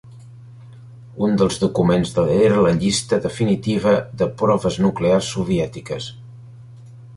Un dels documents era la llista definitiva de proves nuclears soviètiques.